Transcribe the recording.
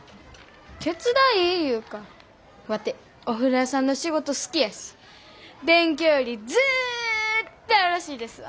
手伝いいうかワテお風呂屋さんの仕事好きやし。勉強よりずっとよろしいですわ。